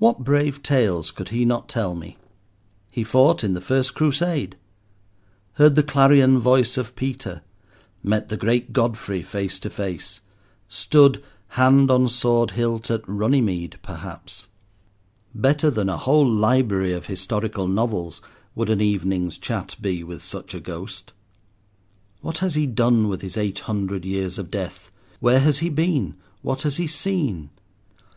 What brave tales could he not tell me. He fought in the first Crusade, heard the clarion voice of Peter, met the great Godfrey face to face, stood, hand on sword hilt, at Runny mede, perhaps. Better than a whole library of historical novels would an evening's chat be with such a ghost. What has he done with his eight hundred years of death? where has he been? what has he seen?